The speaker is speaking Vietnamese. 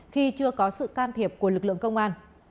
khi chưa có sự can thiệp của lực lượng công an